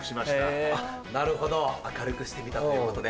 なるほど明るくしてみたということで。